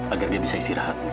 agar dia bisa istirahat